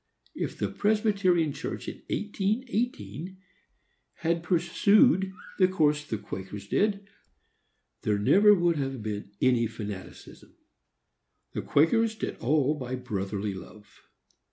If the Presbyterian Church in 1818 had pursued the course the Quakers did, there never would have been any fanaticism. The Quakers did all by brotherly love.